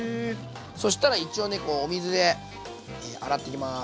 そしたら一応ねお水で洗っていきます。